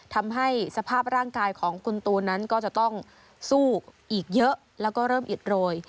ทำให้สภาพร่างกายของคุณตูนนั้นก็จะต้องสู้อีกเยอะแล้วก็เริ่มอิดโรย